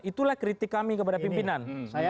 itulah kritik kami kepada pimpinan